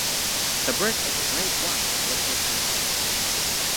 The bridge is a grade one listed building.